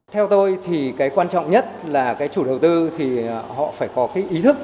theo tôi thì cái quan trọng nhất là cái chủ đầu tư thì họ phải có cái ý thức